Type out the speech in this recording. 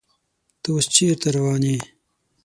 ته اوس چیرته روان یې؟